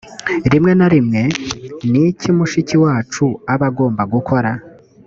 rimwe na rimwe ni iki mushiki wacu aba agomba gukora ?